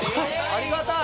ありがたい